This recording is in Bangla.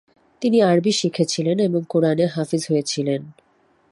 তিনি আরবি শিখেছিলেন এবং কুরআনে হাফিজ হয়েছিলেন।